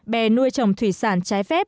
bè nuôi trồng thủy sản trái phép